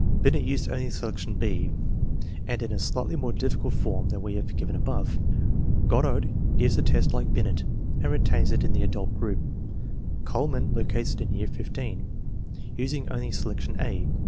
Binet used only selection (&), and in a slightly more difficult form than we have given above. Goddard gives the test like Binet and retains it in the adult group. Kuhlmann locates it in year XV, using only selection (a).